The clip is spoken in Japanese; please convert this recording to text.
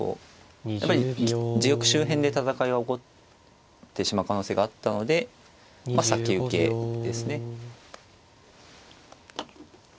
やっぱり自玉周辺で戦いが起こってしまう可能性があったのでまあ先受けですね。